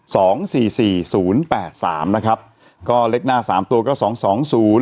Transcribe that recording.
สองสี่สี่ศูนย์แปดสามนะครับก็เลขหน้าสามตัวก็สองสองศูนย์